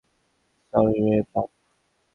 Sorry রে বাপ!